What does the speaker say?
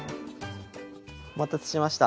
お待たせしました。